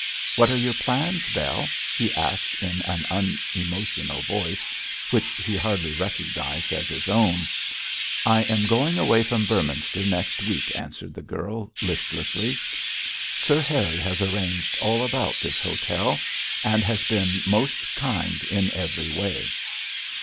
'What are your plans, Bell?' he asked in an unemotional voice, which he hardly recognised as his own. 'I am going away from Beorminster next week,' answered the girl, listlessly. 'Sir Harry has arranged all about this hotel, and has been most kind in every way.